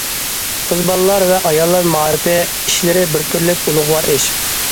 قىز بالىلار ۋە ئاياللار مائارىپى ئىشلىرى بىر تۈرلۈك ئۇلۇغۋار ئىش.